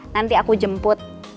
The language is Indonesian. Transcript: nanti aku jemput